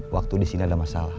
waktu disini ada masalah